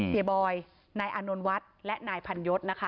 เสียบอยนายอานนลวัฒน์และนายพันยศนะคะ